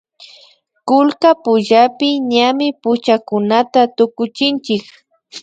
kullka pullapi ñami puchakunata tukuchinchik